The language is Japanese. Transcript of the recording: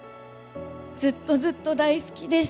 ずっとずっと大好きです。